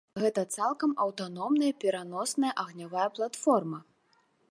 Гэта цалкам аўтаномная пераносная агнявая платформа.